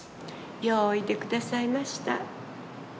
ようおいでくださいました。